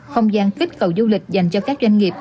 không gian kích cầu du lịch dành cho các doanh nghiệp